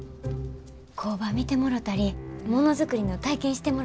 工場見てもろたりものづくりの体験してもろたり。